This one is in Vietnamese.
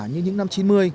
như những năm chín mươi